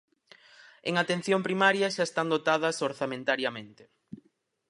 En Atención Primaria xa están dotadas orzamentariamente.